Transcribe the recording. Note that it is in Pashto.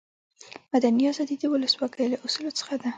مدني آزادي د ولسواکي له اصولو څخه ده.